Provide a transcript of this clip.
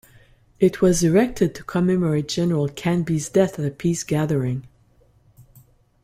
It was erected to commemorate General Canby's death at a peace gathering.